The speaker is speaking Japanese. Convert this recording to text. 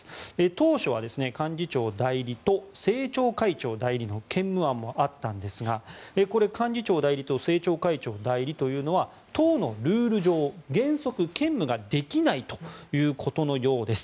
当初は幹事長代理と政調会長代理の兼務案もあったんですがこれ、幹事長代理と政調会長代理というのは党のルール上、原則兼務ができないということのようです。